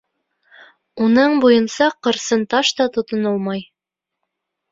Уның буйынса ҡырсынташ та тотонолмай.